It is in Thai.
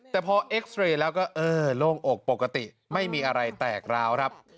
แต่พอเอ็กซ์เรย์แล้วก็เออโล่งอกปกติไม่มีอะไรแตกร้าวครับ